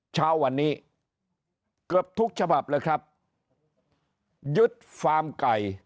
เช้าวันนี้เกือบทุกฉบับเลยครับยึดฟาร์มไก่